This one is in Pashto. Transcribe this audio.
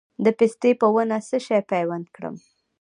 د پستې په ونه څه شی پیوند کړم؟